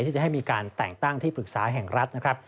ที่จะให้มีการแต่งตั้งที่ปรึกษาแห่งรัฐนะครับ